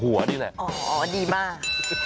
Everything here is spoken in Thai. นี่แหละอ๋อดีมาก